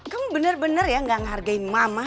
kamu bener bener ya gak ngehargain mama